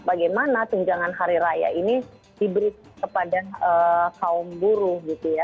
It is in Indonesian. bagaimana tunjangan hari raya ini diberi kepada kaum buruh